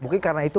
mungkin karena itu